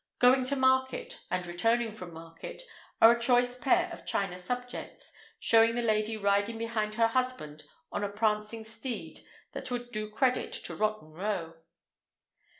"Going to Market" and "Returning from Market" are a choice pair of china subjects, showing the lady riding behind her husband on a prancing steed that would do credit to Rotten Row.